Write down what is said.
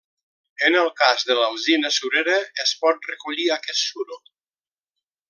En el cas de l'alzina surera es pot recollir aquest suro.